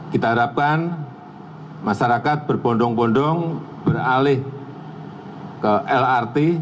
kita harapkan masyarakat berbondong bondong beralih ke lrt